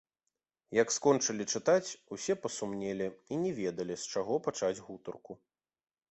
Як скончылі чытаць, усе пасумнелі і не ведалі, з чаго пачаць гутарку.